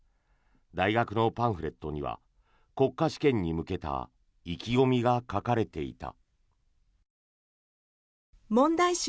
大学のパンフレットには国家試験に向けた意気込みが書かれていた。